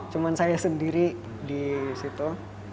cuma saya sendiri di situ